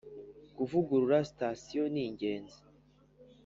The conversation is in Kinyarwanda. kuvugurura sitasiyo ningenzi